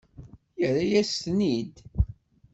Yerra-yasent-ten-id.